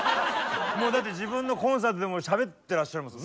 もうだって自分のコンサートでもしゃべってらっしゃいますもんね。